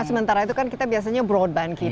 nah sementara itu kan kita biasanya broadband kita